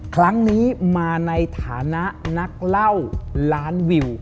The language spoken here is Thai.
ครั้งนี้มาในฐานะนักเล่าล้านวิว